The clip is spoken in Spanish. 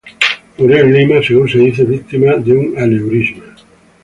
Murió en Lima, según se dice víctima de un aneurisma.